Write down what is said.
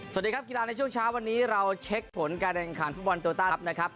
สวัสดีครับกีฬาในช่วงเช้าวันนี้เราเช็คผลการแข่งขันฟุตบอลโยต้ารับนะครับ